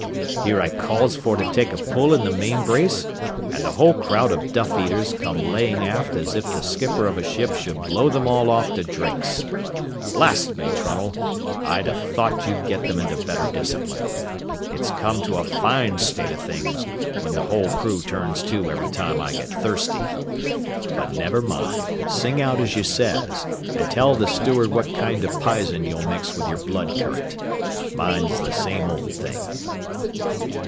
"Here I calls for to take a pull in the main brace, and the whole crowd of duff eaters come layin' aft as if the skipper of a ship should blow them all off to drinks. Blast me, Trunnell, I'd 'a' thought you'd get them into better discipline. It's come to a fine state o' things when the whole crew turns to every time I get thirsty. But never mind, sing out as you says, and tell the steward what kind o' pisin you'll mix with your blood current. Mine's the same old thing."